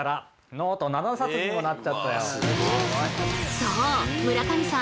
そう村上さん